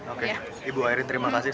oke ibu ayrin terima kasih